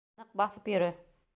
Ныҡ баҫып йөрө!